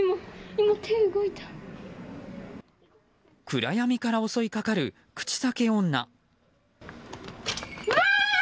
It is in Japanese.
暗闇から襲いかかる口裂け女。